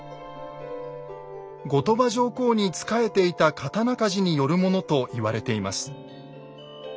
後鳥羽上皇に仕えていた刀鍛冶によるものと言われています。